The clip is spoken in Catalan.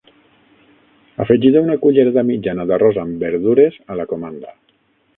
Afegida una cullerada mitjana d'arròs amb verdures a la comanda.